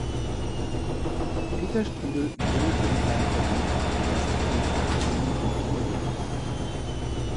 Peter Strudel gründete in seinem Palais die erste Kunstakademie Mitteleuropas.